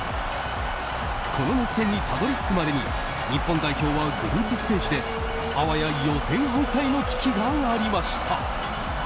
この熱戦にたどり着くまでに日本代表はグループステージであわや予選敗退の危機がありました。